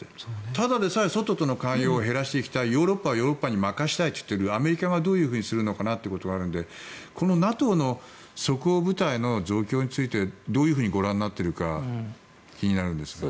ただでさえ外とのかい離を減らしていきたいヨーロッパはヨーロッパに任せたいと言っているアメリカがどうするのかということがあるのでＮＡＴＯの即応部隊の増強についてどうご覧になっているのか気になるんですけど。